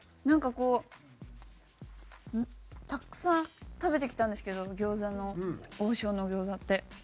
なんかこうたくさん食べてきたんですけど餃子の王将の餃子って。